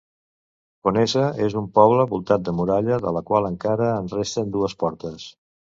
Conesa és un poble voltat de muralla, de la qual encara en resten dues portes.